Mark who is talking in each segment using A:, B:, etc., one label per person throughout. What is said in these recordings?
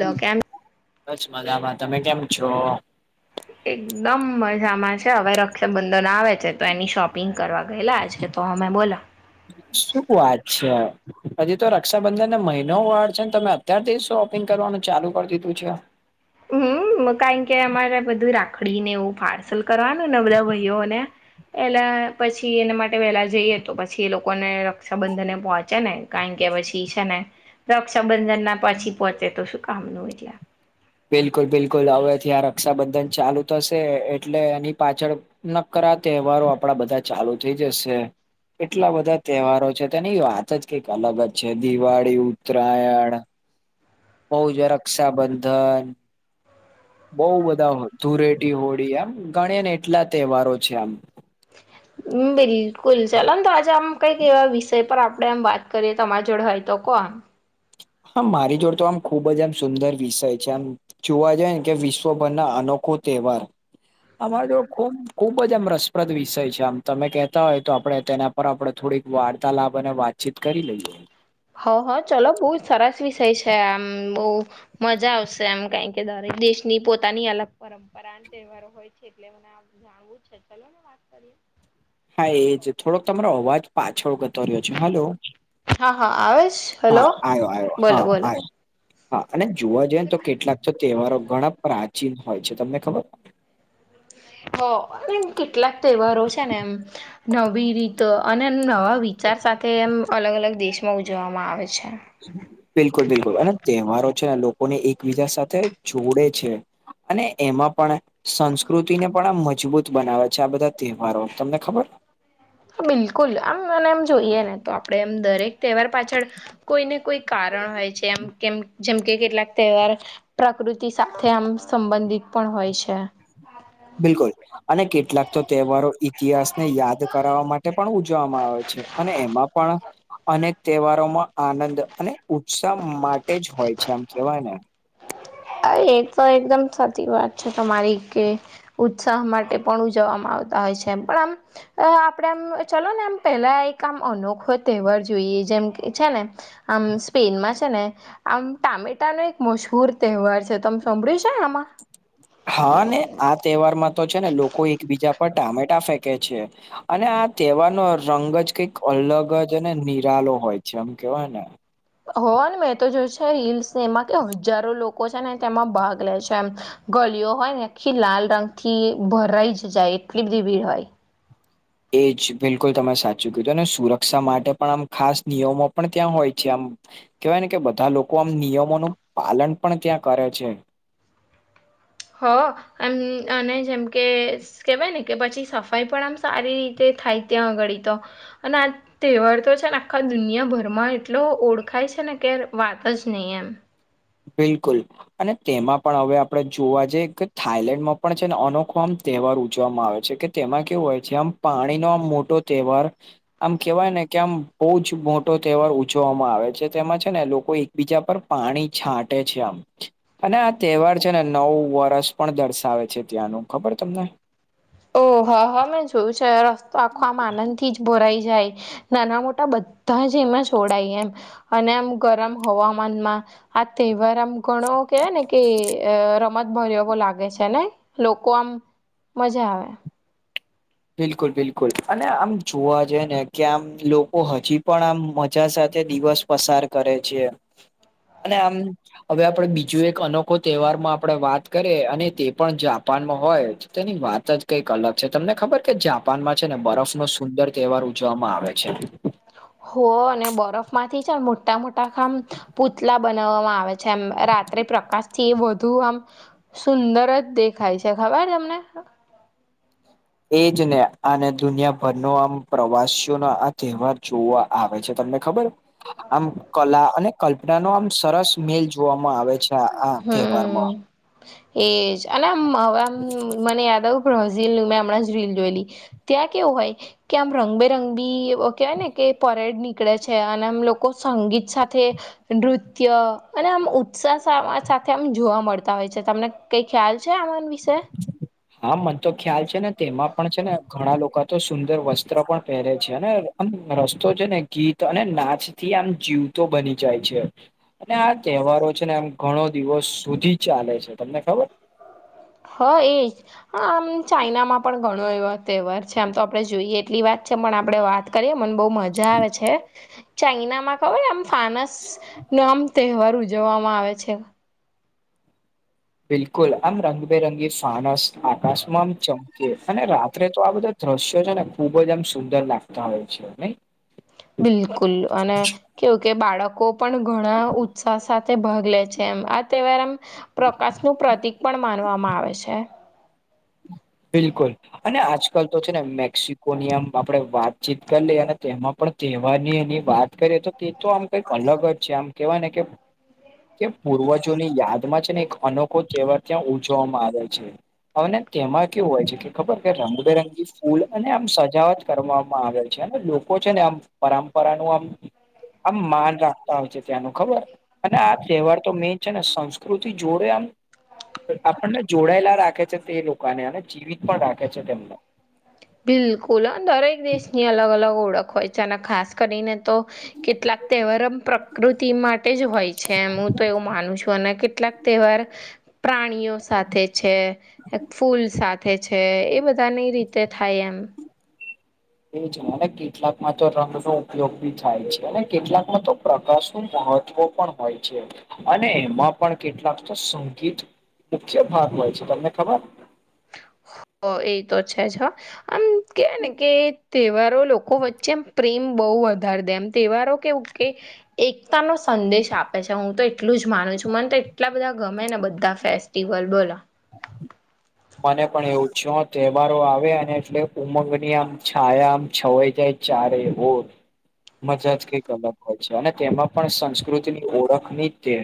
A: Hello કેમ
B: બસ મજામાં. તમે કેમ છો?
A: એકદમ મજામાં છે. હવે રક્ષાબંધન આવે છે તો એની શોપિંગ કરવા ગયેલા આજે તો અમે બોલો.
B: શું વાત છે? હજી તો રક્ષાબંધનને મહિનો વાર છે, ને તમે અત્યારથી જ શોપિંગ કરવાનું ચાલુ કર દીધું છે.
A: હમ્મ. કારણ કે અમારે બધુ રાખડીને એવું પાર્સલ કરવાનું ને બધા ભઈઓને. એટલે પછી એના માટે વહેલાં જઈએ તો પછી એ લોકોને રક્ષાબંધને પહોંચે ને. કારણ કે પછી છે ને, રક્ષાબંધનના પછી પહોંચે તો શું કામ નું એટલે.
B: બિલકુલ-બિલકુલ. હવેથી આ રક્ષાબંધન ચાલુ થશે, એટલે એની પાછળ નક્કરા તહેવારો આપણા બધા ચાલુ થઈ જશે. એટલા બધા તહેવારો છે, તેની વાત જ કંઈક અલગ જ છે. દિવાળી, ઉત્તરાયણ [unintelligible] રક્ષાબંધન બહુ બધા, ધૂળેટી હોળી એમ ગણીએ ને એટલા તહેવારો છે આમ.
A: [inaudible] બિલકુલ. ચાલો ને તો આજ આમ કંઈક એવા વિષય પર આપણે આમ વાત કરીએ તમારી જોડે હોય તો કહો આમ.
B: હા મારી જોડે તો આમ ખુબ જ એમ સુંદર વિષય છે આમ. જોવા જાઈએ ને કે વિશ્વભરના અનોખો તહેવાર. [unintelligible] ખૂબ-ખુબ જ આમ રસપ્રદ વિષય છે આમ. તમે કહેતા હોય તો આપણે તેના પર આપણે થોડીક વાર્તાલાપ અને વાતચીત કરી લઈએ.
A: હા, હા. ચલો બહુ જ સરસ વિષય છે આમ બહુ. મજા આવશે એમ કાંઈ કે દરેક દેશની પોતાની અલગ પરંપરા અને તહેવારો હોય છે. એટલે મને આમ જાણવું છે. ચલોને વાત કરીએ.
B: હા એજ. થોડોક તમારો અવાજ પાછળ ગતો રહ્યો છે. હલો?
A: હા હા આવે છે હલો
B: હા આયો-આયો,
A: બોલો
B: હા
A: બોલો
B: આયો. હા. અને જોવા જઈએ ને તો કેટલાક તો તહેવારો ઘણાં પ્રાચીન હોય છે. તમને ખબર?
A: હા. અને એમ કેટલાક તહેવારો છે ને એમ નવી રીતો અને નવા વિચાર સાથે એમ અલગ-અલગ દેશમાં ઉજવવામાં આવે છે.
B: બિલકુલ-બિલકુલ. અને તહેવારો છે એ લોકોને એકબીજા સાથે જોડે છે. અને એમાં પણ સંસ્કૃતિને પણ આમ મજબૂત બનાવે છે આ બધા તહેવારો. તમને ખબર?
A: બિલકુલ આમ મને એમ જોઈએ ને તો આપણે એમ દરેક તહેવાર પાછળ કોઈને કોઈક કારણ હોય છે, એમ કેમ જેમકે કેટલાક તહેવાર પ્રકૃતિ સાથે આમ સંબંધિત પણ હોય છે.
B: બિલકુલ. અને કેટલાક તો તહેવારો ઇતિહાસને યાદ કરાવવા માટે પણ ઉજવવામાં આવે છે, અને એમાં પણ આપને તહેવારોમાં આનંદ અને ઉત્સાહ માટે જ હોય છે, આમ કેવાય ને
A: અ એતો એકદમ સાચી વાત છે, તમારી કે ઉત્સાહ માટે પણ ઉજવવામાં આવતા હોય છે, એમ પણ આમ અ આપડે આમ ચલોને આમ પેહલા એક આમ અનોખો તેહવાર જોઈએ જેમ કે છે, ને આમ સ્પેનમાં છે, ને આમ ટામેટા નો એક મશહુર તહેવાર છે, તમ સાંભળ્યું છે, આમાં?
B: હા ને આ તહેવારમાં તો છે, ને લોકો એકબીજા પર ટામેટા ફેંકે છે. અને આ તહેવારનો રંગ જ કઈક અલગ જ ન નિરાલો હોય છે, આમ કેવાય ને
A: હો ને મેં તો જોય છે રીલ્સને એમાં કે હજારો લો કો છે, ને તેમાં ભાગ લે છે, એમ ગલીઓ હોય ને આખી લાલ રંગથી ભરાઈ જાય એટલી બધી ભીડ હોય
B: એ જ બિલકુલ તમે સાચું કીધુ અને સુરક્ષા માટે પણ આમ ખાસ નિયમો પણ ત્યાં હોય છે, આમ કેવાય ને કે બધા લોકો આમ નિયમોનું પાલન પણ ત્યાં કરે છે.
A: હ અન અને જેમ કે કેવાયને કે પછી સફાઈ પણ આમ સારી રીતે થાય ત્યાં આગળી તો અને આ તેહવાર તો છે, ને આખા દુનિયાભરમાં એટલો ઓળખાય છે, ને કે વાત જ નહીં એમ
B: બિલકુલ. અને તેમાં પણ અવે આપણે જોવા જઈએ કે થાઈલેન્ડમાં પણ છે, ને અનોખો આમ તહેવાર ઉજવામાં આવે છે, કે તેમાં કેવું હોય છે, આમ પાણીનો આમ મોટો તહેવાર આમ કેવાય ને કે આમ બૌજ મોટો તહેવાર ઉજવામાં આવે છે, તેમાં છે, ને લોકો એ બીજા પર પાણી છાંટે છે, આમ અને આ તહેવાર છે, ને નવુ વરષ પણ દર્શાવે છે, ત્યાંનું ખબર તમને?
A: ઓ હા હા મેં જોયું છે, રસ્તો આખો આમ આનંદ થી જ ભરાઈ જાય નાના મોટા બધા જ એમાં છોડાય એમ અને આમ ગરમ હવામાનમાં આ તેહવાર આમ ઘણો કેવાય ને કે રમત ભર્યો એવો લાગે છે, ને? લોકો આમ મજા આવે
B: બિલકુલ બિલકુલ અને આમ જોવા જએ ને કે આમ લોકો હજી પણ આમ મજા સાથે દિવસ પસાર કરે છે, અને આમ અવે આપડે બીજું એક અનોખો તહેવારમાં આપડે વાત કરીએ અને તે પણ જાપાનમાં હોય તેની વાત જ કંઈક અલગ છે?, તમને ખબર? કે જાપાનમાં છે, ને બરફનો સુંદર તહેવાર ઉજવામાં આવે છે.
A: હો અને બરફમાંથી છે, મોટા મોટા ખામ પૂતલા બનાવવામાં આવે છે, આમ રાત્રે પ્રકાશથી વધુ આમ સુંદર જ દેખાય છે, ખબર તમને?
B: એ જ ને અને દુનિયાભરનો આમ પ્રવાસીઓનો આ તહેવાર જોવા આવે છે, તમને ખબર આમ કલા અને કલ્પનાનો આમ સરસ મેલ જોવામાં આવે છે, આ તહેવારમાં
A: હમ એજ અને આમ હવે આમ મને યાદ આવ [unintelligible] હમણાં જ રીલ જોયેલી ત્યાં કેવું હોય કે આમ રંગબેરંગબી કેહેવાય ને કે પરેડ નીકળે છે, અને આમ લોકો સંગીત સાથે નૃત્ય અને આમ ઉત્સા સાથે આમ જોવા મળતા હોય છે, તમને કઈ ખ્યાલ છે, આમાન વિશે?
B: હા, મન તો ખ્યાલ છે ને, તેમાં પણ છેને ઘણા લોકો તો સુંદર વસ્ત્ર પણ પહેરે છે, અને આમ રસ્તો છે ને, ગીત અને નાચથી આમ જીવતો બની જાય છે. અને આ તહેવારો છે ને, આમ ઘણો દિવસ સુધી ચાલે છે, તમને ખબર?
A: હ, એજ આમ ચાઈનામાં પણ ઘણો એવો તહેવાર છે, આમ તો આપણે જોઈએ એટલી વા પણ આપડે વાત કરીએ, મન બવ મજા આવે છે, ચાઈનામાં ખબર આમ ફાનસનો આમ તહેવાર ઉજવવામાં આવે છે.
B: બિલકુલ, આમ રંગબેરંગી ફાણસ આકાશમાં આમ ચમકી અને રાત્રે તો આ બધા દ્રશ્યો છે ને, ખુબ જ આમ સુંદર લાગતા હોય છે ને.
A: બિલકુલ, અને કેવું કે બાળકો પણ ઘણા ઉત્સાહ સાથે છે, એમ આ તહેવાર એમ પ્રકાશનુંું પ્રતિક પણ માનવામાં આવે છે.
B: બિલકુલ, અને આજકાલ તો છે ને, મેક્સિકોનીયમ આપણે વાતચીત કરી લઈએ, અને તેમાં પણ તેહેવાની એની વાત કરીએ, તો તે તો આમ જ છે, આમ કેવાય ને કે. કે પૂર્વજોની યાદમાં છે ને, એક અનોખો તહેવાર ત્યાં ઉજવવામાં આવે છે. અન કેમ કેવું હોય છે કે, ખબર કે રંગબેરંગી ફૂલ અને આમ સજાવટ કરવામાં આવે છે, અને લોકો છે ને, આમ પરંપરા નું આમ આમ માન રાખતા હોય છે, ત્યાંનું ખબર અને આ તહેવાર તો મેન છે ને, સંસ્કૃતિ જોડે આમ આપણને જોડાયેલા રાખે છે, તે લોકોને અને જીવિત પણ રાખે છે તેમને.
A: બિલકુલ, દરેક દેશની અલગ અલગ ઓળખ હોય છે, અને ખાસ કરીને તો કેટલાક તહેવાર આમ પ્રકૃતિ માટે જ હોય છે, હું તો એવું માનું છું, અને કેટલાક તહેવાર પ્રાણીઓ સાથે છે, ફૂલ સાથે છે, એ બધાની રીતે તેથાયમ [unintelligible]
B: એ જ કેટલાકમાં તો રંગ નો ઉપયોગ બી થાય છે, અને કેટલાકમાં તો પ્રકા ન મહત્વ પણ હોય છે, અને એમાં પણ કેટલાક તો સંગીત મુખ્ય ભાગ હોય છે, તમને ખબર.
A: હ. આમ કેવાય ને કે, તહેવારો લોકો વચ્ચે એમ પ્રેમ બહુ વધારે દે, એમ તહેવારો ઉકે ઉગકે. એકતા નો સંદેશ આપે છે, હું તો એટલું જ માનું છું, મને તો એટલા બધા ગમે ને, બધા ફેસ ટિવલ બોલા.
B: મને પણ એવું છે, તહેવારો આવે, અને એટલે ઉમંગની આમ છાયા આમ છવાઈ જાય. ચારે વોટ. જ કંઈક અલગ હોય છે, અને તેમાં પણ ઓળખની તે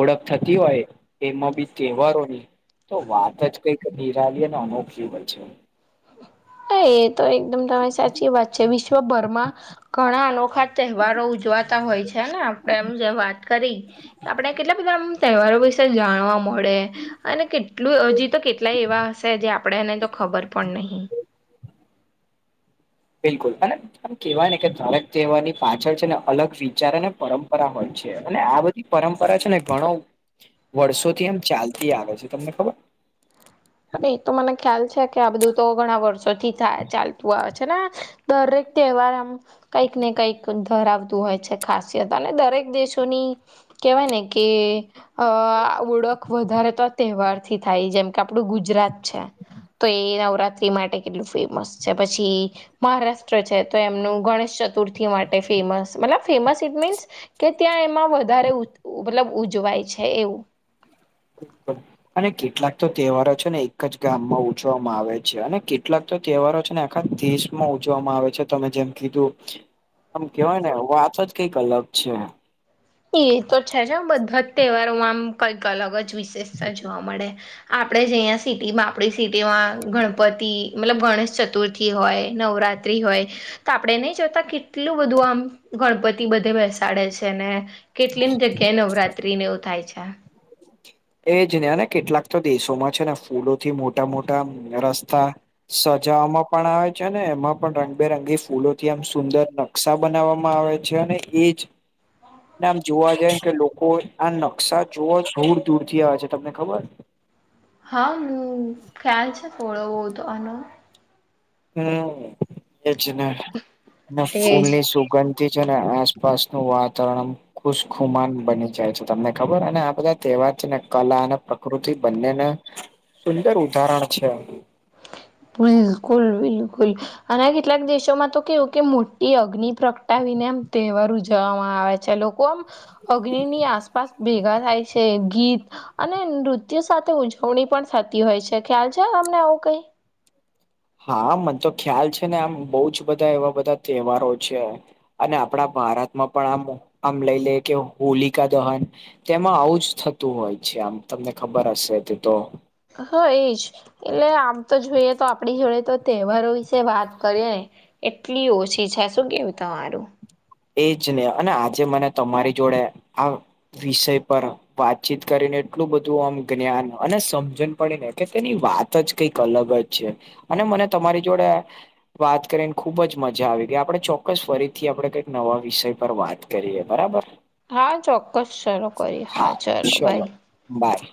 B: ઓળખ થતી હોય, એમાં બી તહેવારોની તો વાત જ. કઈક નિરાલીએ ને, અનોખી હોય છે.
A: હા, એ તો એકદમ સાચી વાત છે. ઘણા અનોખા તહેવારો ઉજવાતા હોય છેને, આપણે એમ જે વાત કરી. આપણે કેટલા બધા તહેવારો વિશે જાણવા મળે. અને કેટલું હજી તો કેટલાય એવા હશે, જે આપણે એને તો ખબર પણ નહીં.
B: બિલકુલ હ. આમ કેવાય ને કે, ધારક તહેવારની પાછળ છે ને, અલગ વિચાર અને પરંપરા હોય છે, અને આ બધું પરંપરા છે ને, ઘણો વર્ષોથી એમ ચાલતી આવે છે, તમને ખબર.
A: એ તો મને ખ્યાલ છે કે, આ બધું તો ઘણા વર્ષોથી થાય ચાલતું આવે છે ને. દરેક તહેવાર આમ કંઈક ને કઈક ધરાવતું હોય છે ખાસિયત અને દરેક દેશોની કેવાય ને કે અહ ઓળખ વધારે તો આ તહેવાર થી થાય જેમ કે આ પણું ગુજરાત છે તો એ નવરાત્રી માટે કેટલું ફેમસ છે પછી મહારાષ્ટ્ર છે તો એમનું ગણેશ ચતુર્થી માટે ફેમસ મતલબ ફેમસ ઇટ મીન્સ કે ત્યાં એમાં વધારે ઉ મતલબ ઉજવાય છે એવું.
B: અને કેટલાક તો તહેવારો છે ને એક જ ગામમાં ઉજવવામાં આવે છે અને કેટલાક તો તહેવારો છે ને આખા દેશમાં ઉજવવામાં આવે છે તમે જેમ કીધું આમ કેવાય ને વાતો જ કઈક અલગ છે.
A: એ તો છે જ બધા જ તહેવારોમાં આમ કંઈક અલગ જ વિશેષતા જોવા મળે. આપડે જે અહીંયા સિટીમાં આપડી સિટીમાં ગણપતિ મતલબ ગણેશ ચતુર્થી હોય નવરા ત્રી હોય. તો આપડે નહી જોતા કેટલું બધું આમ ગણપતિ બધે બેસાડે છે ને કેટલી ને જગ્યાએ નવરાત્રીને એવું થાય છે.
B: એ જ ને ને કેટલાક તો દેશોમાં છે ને ફૂલોથી મોટા મોટા રસ્તા સજાવામાં પણ આવે છે ને એમાં પણ રંગબેરંગી ફૂલો થી આમ સુંદર ન ક્ષા બનાવવામાં આવે છે અને એ જ ને આમ જોવા જાય કે લોકો આ નકશા જોવા દૂર દૂર થી આવે છે તમને ખબર
A: હા ખ્યાલ છે થોડો બોહોત આનો.
B: હમ્મ એજ ને. ને
A: એજ
B: ફૂલની સુગંધ તે છે એને એસપાસનું વાતવરણ ખુશખુમાન બની જાય છે તમને ખબર અને આ બધા તહેવાર છે ને કલા અને પ્ર કૃતિ બંનેને સુંદર ઉદાહરણ છે.
A: [unintelligible] બિલકુલ બિલકુલ અને કેટલાક દેશોમાં તો કેવું કે મોટી અગ્નિ પ્રગટાવીને એમ તહેવાર ઉજવવામાં આવે છે લોકો આમ અગ્નિની આસપાસ ભેગા થાય છે ગીત અને નૃત્ય સાથે ઉજવણી પણ થતી હોય છે ખ્યાલ છે તમને આવું કઈ?
B: હા મને તો ખ્યાલ છે ને આમ બહુજ બધા એવા બધા તહેવારો છે. અને આપડા ભારતમાં પણ આમ આમ લઈ લે કે હોલિકા દહન તેમાં આવું જ થતું હોય છે આમ તમને ખબર હશે તે તો
A: હા એજ. એટલે આમ તો જોઈએ તો આપડી જોડે તો તહેવારો વિશે વાત કરીએ ને એટલી ઓછી છે શું કેવું તમારું?
B: એજ ને અને આજે મને તમારી જોડે આ વિષય પર વાતચીત કરીને એટલું બધું આમ જ્ઞાન અને સમજણ પડી ને કે તેની વાત જ કંઈક અલગ જ છે અને મને તમારી જોડે વાત કરીને ખુબ જ મજા આવી ગઈ આપડે ચોક્કસ ફરીથી આપડે કઈ નવા વિષય પર વાત કરીએ બરાબર?
A: હા, ચોક્કસ ચાલો કરીએ હા ચાલો બાય.
B: બાય.